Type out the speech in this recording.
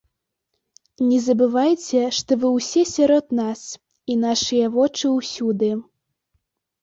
Не забывайце, што вы ўсе сярод нас і нашыя вочы ўсюды.